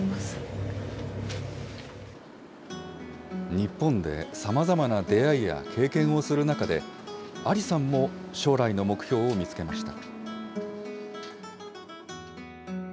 日本でさまざまな出会いや経験をする中で、アリさんも将来の目標を見つけました。